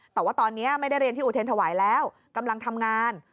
แต่ว่าตอนนี้ไม่ได้เรียนที่อุเทรนถวายแล้วกำลังทำงาน